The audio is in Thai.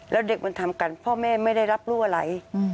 แล้วเด็กมันทำกันพ่อแม่ไม่ได้รับรู้อะไร